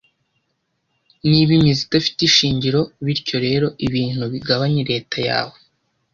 Niba imizi idafite ishingiro, bityo rero ibintu bigabanye leta yawe,